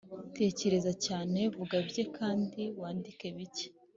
tekereza cyane, vuga bike kandi wandike bike